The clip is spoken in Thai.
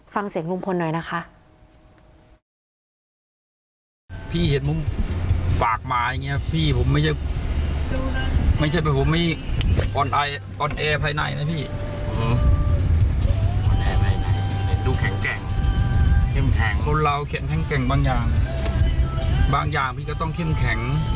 ฟังเสียงลุงพลหน่อยนะคะ